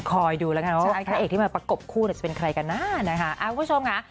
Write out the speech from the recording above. คอยดูแล้วค่ะว่าพระเอกที่มาประกบคู่จะเป็นใครกันหน้านะคะ